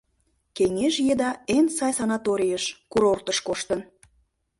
Кеҥеж еда эн сай санаторийыш, курортыш коштын.